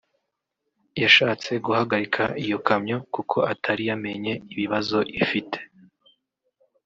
yashatse guhagarika iyo kamyo kuko atari yamenye ibibazo ifite